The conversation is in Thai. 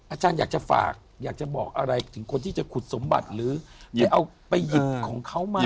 อาจารย์อยากจะฝากอยากจะบอกอะไรถึงคนที่จะขุดสมบัติหรือที่เอาไปหยิบของเขามา